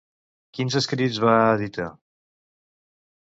Quins escrits va editar?